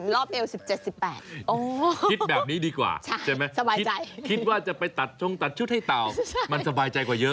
เอว๑๗๑๘คิดแบบนี้ดีกว่าใช่ไหมสบายใจคิดว่าจะไปตัดชงตัดชุดให้เต่ามันสบายใจกว่าเยอะ